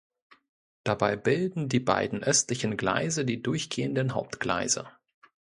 Dabei bilden die beiden östlichen Gleise die durchgehenden Hauptgleise.